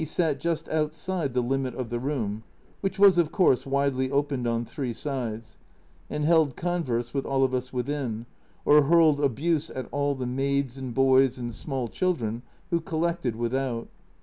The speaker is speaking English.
54 A Journal from Japan sat just outside the limit of the room which was, of course, widely opened on three sides and held con verse with all of us within, or hurled abuse at all the maids and boys and small children who collected without.